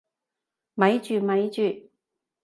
咪住咪住！